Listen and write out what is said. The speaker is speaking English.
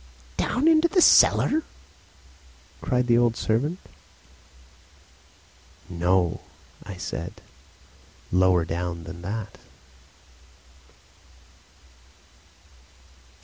"Down into the cellar?" cried the old servant. "No," I said. "Lower down than that."